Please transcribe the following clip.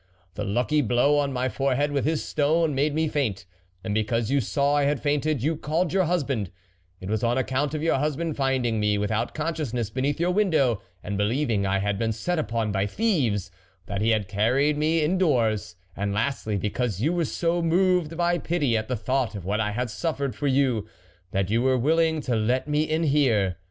The lucky blow on my forehead with his stone, made me faint ; and because you saw I had fainted, you called your husband; it was on account of your husband finding me with out consciousness beneath your window, and believing I had been set upon by thieves, that he had me carried indoors ; and lastly, because you were so moved by pity at the thought of what I had suffered for you, that you were willing to let me in here.